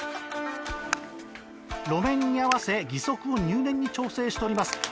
路面に合わせ義足を入念に調整しております。